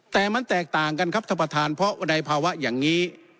แต่มันแตกต่างกันครับท่านประธานเพราะในภาวะอย่างนี้